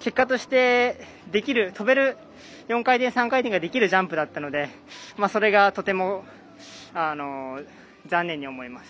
結果として、できる跳べる４回転、３回転ができるジャンプだったのでそれがとても残念に思います。